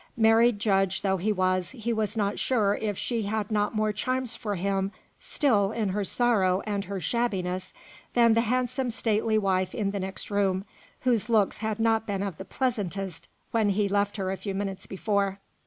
Married judge though he was, he was not sure if she had not more charms for him still in her sorrow and her shabbiness than the handsome stately wife in the next room, whose looks had not been of the pleasantest when he left her a few minutes before.